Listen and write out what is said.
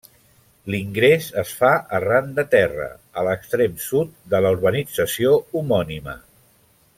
L'ingrés es fa arran de terra, a l'extrem sud de la urbanització homònima.